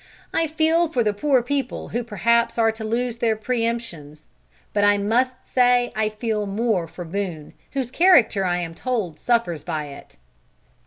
I feel for the poor people who perhaps are to lose their pre emptions. But I must say I feel more for Boone, whose character I am told suffers by it.